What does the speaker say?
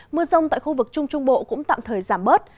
mưa rông tại khu vực trung trung bộ cũng tạm thời giảm bớt